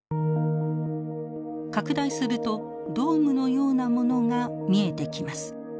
拡大するとドームのようなものが見えてきます。